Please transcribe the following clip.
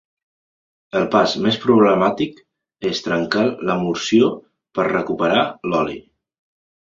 El pas més problemàtic és trencar l'emulsió per recuperar l'oli.